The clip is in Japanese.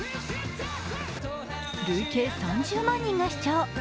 累計３０万人が視聴。